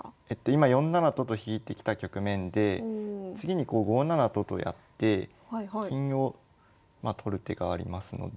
今４七と金と引いてきた局面で次に５七と金とやって金を取る手がありますので。